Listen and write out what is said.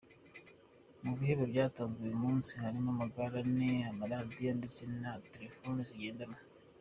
Mu bihembo byatanzwe uyu munsi harimo amagare ane, amaradiyo ndetse na terefone zigendanwa.